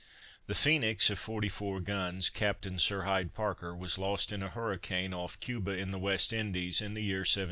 The Phoenix of 44 guns, Capt. Sir Hyde Parker was lost in a hurricane, off Cuba, in the West Indies, in the year 1780.